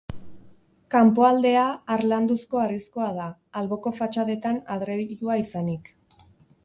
Kanpoaldea harlanduzko harrizkoa da, alboko fatxadetan adreilua izanik.